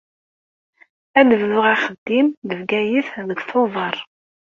Ad bduɣ axeddim deg Bgayet deg Tubeṛ.